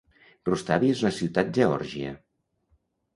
Rustavi és una ciutat Geòrgia.